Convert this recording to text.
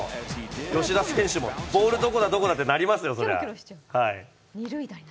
吉田選手もボールどこだ、どこだ？ってなりますよ。